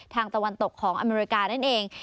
ตะวันตกของอเมริกานั่นเอง